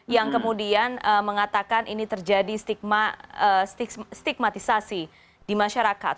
yang kemudian mengatakan ini terjadi stigmatisasi di masyarakat